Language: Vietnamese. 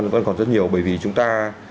vẫn còn rất nhiều bởi vì chúng ta